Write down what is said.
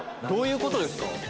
どういうことですか？